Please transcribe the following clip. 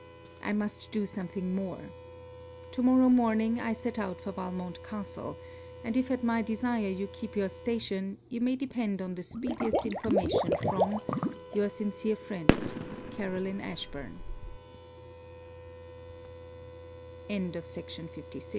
I must do something more. To morrow morning, I set out for Valmont castle; and if at my desire you keep your station, you may depend on the speediest information from, Your sincere friend CAROLINE ASHBURN LETTER XVII FROM LORD FILMAR TO SIR WALT